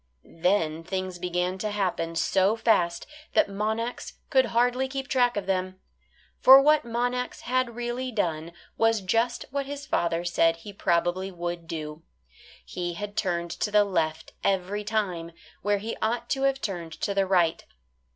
Then things began to happen so fast that Monax could hardly keep track of them. For what Monax had really done was just what his father said he probably would do. He had turned to the left every time, where he ought to have turned to the right.